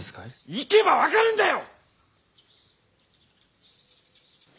行けば分かるんだよ！